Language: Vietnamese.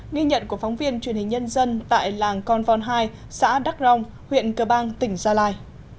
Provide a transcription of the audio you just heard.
nghi nhận của phóng viên truyền hình nhân dân tại làng con vòn hai xã đắc rong huyện cơ bang tỉnh gia lai